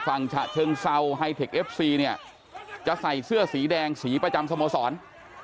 ฉะเชิงเซาไฮเทคเอฟซีเนี่ยจะใส่เสื้อสีแดงสีประจำสโมสร